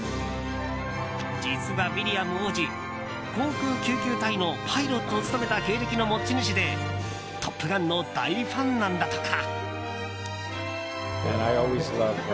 実は、ウィリアム王子航空救急隊のパイロットを務めた経歴の持ち主で「トップガン」の大ファンなんだとか。